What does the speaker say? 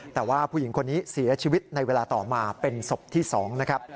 แต่ว่าผู้หญิงคนนี้เสียชีวิตในเวลาต่อมาเป็นศพที่๒นะครับ